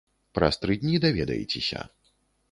Праз тры дні даведаецеся.